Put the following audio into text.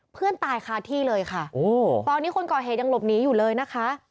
เพื่อนตายคาที่เลยค่ะโอ้ตอนนี้คนก่อเหตุยังหลบหนีอยู่เลยนะคะ